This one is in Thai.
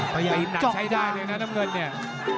พยายามหนักใช้ได้เลยนะน้ำเงินเนี่ย